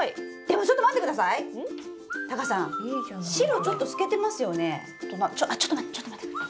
ちょっと待ってちょっと待って。